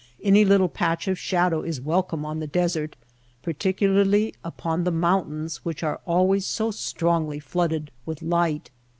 Any little patch of shadow is welcome on the desert, particularly upon the mountains which are always so strongly flooded with light.